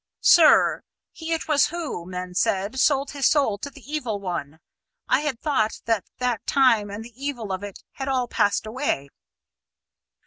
"Sir, he it was who, men said, sold his soul to the Evil One; I had thought that that time and the evil of it had all passed away."